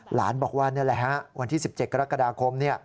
หลานบอกว่าวันที่๑๗กรกฎาคม